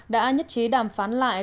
đã nhất trí đàm phán lại